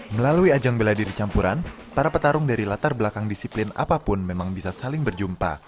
melalui ajang bela diri campuran para petarung dari latar belakang disiplin apapun memang bisa saling berjumpa